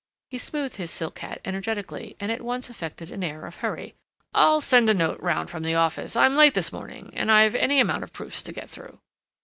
He smoothed his silk hat energetically, and at once affected an air of hurry. "I'll send a note round from the office.... I'm late this morning, and I've any amount of proofs to get through."